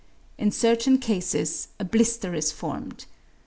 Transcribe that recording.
In certain cases a blister is formed.